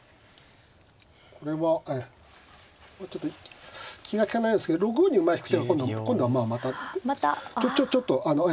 これはちょっと気が利かないようですけど６五に馬引く手が今度今度はまあまたちょちょちょっとあのええ